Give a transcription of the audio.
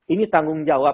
ini tanggung jawab